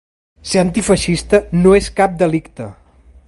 Ser antifeixista no és cap delicte!